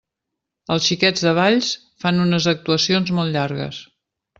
Els Xiquets de Valls fan unes actuacions molt llargues.